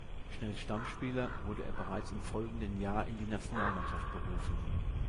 Schnell Stammspieler wurde er bereits im folgenden Jahr in die Nationalmannschaft berufen.